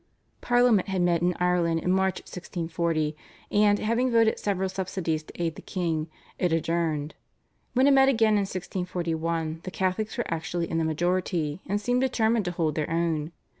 Parliament had met in Ireland in March 1640, and, having voted several subsidies to aid the king, it adjourned. When it met again in 1641 the Catholics were actually in the majority, and seemed determined to hold their own.